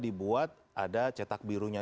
dibuat ada cetak birunya